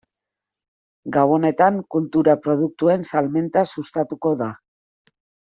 Gabonetan kultura produktuen salmenta sustatuko da.